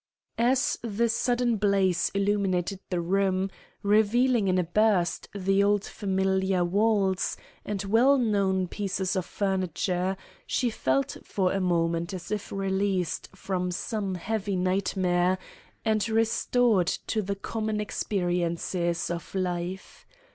As the sudden blaze illuminated the room, revealing in a burst the old familiar walls and well known pieces of furniture, she felt for a moment as if released from some heavy nightmare and restored to the common experiences of life.